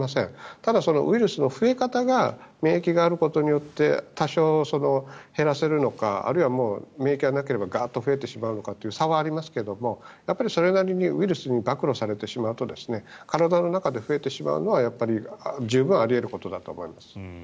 ただ、ウイルスの増え方が免疫があることによって多少減らせるのかあるいは免疫がなければガーッと増えてしまうのかという差はありますがやっぱりそれなりにウイルスに暴露されてしまうと体の中で増えてしまうのは十分あり得ることだと思います。